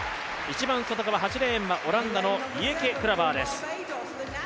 １番外側、８レーンはオランダのリエケ・クラバーです。